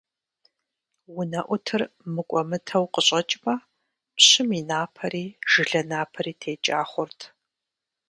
УнэӀутыр мыкӀуэмытэу къыщӀэкӀмэ, пщым и напэри, жылэ напэри текӀа хъурт.